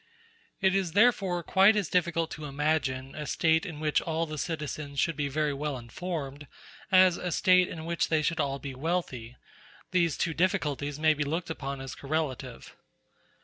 It is therefore quite as difficult to imagine a State in which all the citizens should be very well informed as a State in which they should all be wealthy; these two difficulties may be looked upon as correlative.